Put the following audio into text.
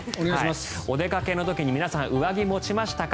お出かけの時に皆さん上着持ちましたか？